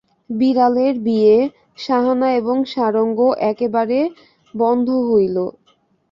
বিড়ালের বিয়ে, সাহানা এবং সারঙ্গ একেবারে বন্ধ হইল।